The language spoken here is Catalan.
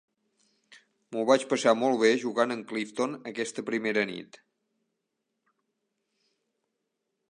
M'ho vaig passar molt bé jugant amb Clifton aquesta primera nit.